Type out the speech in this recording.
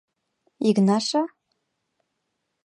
— Игнаша?..